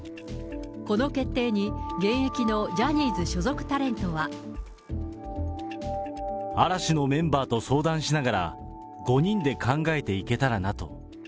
この決定に、現役のジャニーズ所属タレントは。嵐のメンバーと相談しながら、５人で考えていけたらなと。